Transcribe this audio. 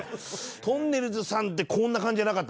とんねるずさんってこんな感じじゃなかったもんね。